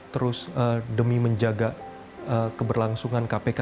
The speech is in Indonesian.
terus demi menjaga keberlangsungan kpk